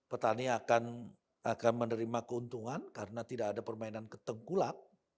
petani akan menerima keuntungan karena tidak ada permainan ketengkulak